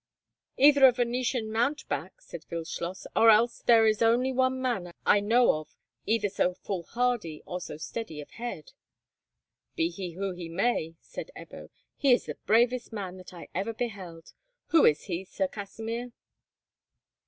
"Either a Venetian mountebank," said Wildschloss, "or else there is only one man I know of either so foolhardy or so steady of head." "Be he who he may," said Ebbo, "he is the bravest man that ever I beheld. Who is he, Sir Kasimir?"